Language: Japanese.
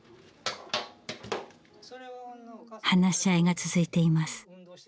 話し合いが続いています。